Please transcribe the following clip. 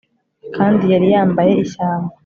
Kandi yari yambaye ishyamba